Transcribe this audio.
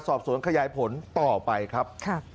สอบสวนขยายผลต่อไปครับ